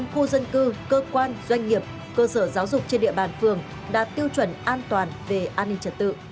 chín mươi khu dân cư cơ quan doanh nghiệp cơ sở giáo dục trên địa bàn phường đạt tiêu chuẩn an toàn về an ninh trật tự